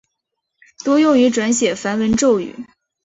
多用于转写梵文咒语。